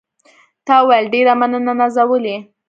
تا وویل: ډېره مننه نازولې.